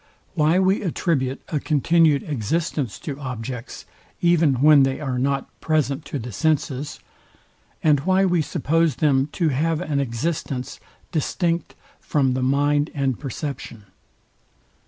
Why we attribute a continued existence to objects, even when they are not present to the senses; and why we suppose them to have an existence DISTINCT from the mind and perception.